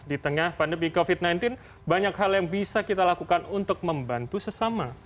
di tengah pandemi covid sembilan belas banyak hal yang bisa kita lakukan untuk membantu sesama